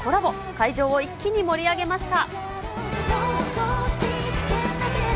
会場を一気に盛り上げました。